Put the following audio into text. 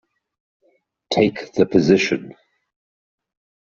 Take the position'.